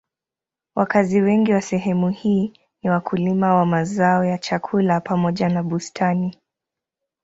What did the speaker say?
Wakazi wengi wa sehemu hii ni wakulima wa mazao ya chakula pamoja na bustani.